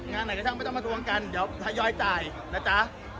งานไหนก็ช่างไม่ต้องมาทวงกันเดี๋ยวทยอยจ่ายนะจ๊ะ